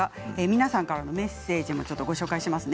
皆さんからのメッセージをご紹介します。